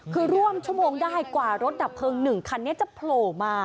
คือร่วมชั่วโมงได้กว่ารถดับเพลิง๑คันนี้จะโผล่มา